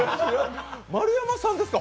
丸山さんですか？